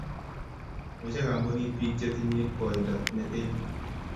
Mechei kampunit biik che tinye koindo ne ten